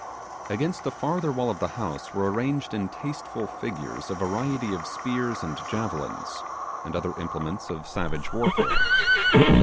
Against the farther wall of the house were arranged in tasteful figures a variety of spears and javelins, and other implements of savage warfare.